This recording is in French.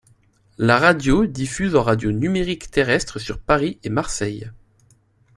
La radio diffuse en radio numérique terrestre sur Paris et Marseille.